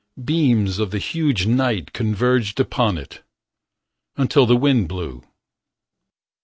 Beams of the huge night converged upon it. Until the wind blew.